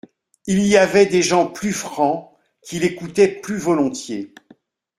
Il y avait des gens plus francs qu'il écoutait plus volontiers.